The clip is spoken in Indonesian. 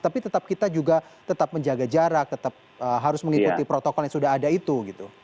tapi tetap kita juga tetap menjaga jarak tetap harus mengikuti protokol yang sudah ada itu gitu